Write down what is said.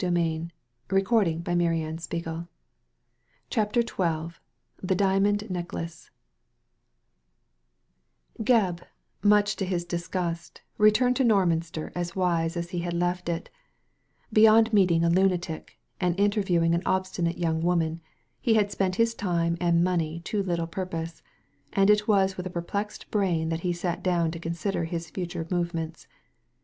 Digitized by Google CHAPTER XII THE DIAMOND NECKLACE Gebb, much to his disgust, returned to Norminster as wise as he had left it Beyond meeting a lunatic, and interviewing an obstinate young woman, he had spent his time and money to little purpose ; and it was with a perplexed brain that he sat down to con sider his future movements.